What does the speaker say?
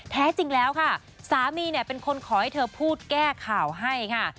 แท้จริงแล้วค่ะสามีเนี่ยเป็นคนขอให้เธอพูดแก้ข่าวให้ค่ะ